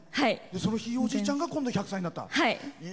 そのひいおじいちゃんが１００歳になった。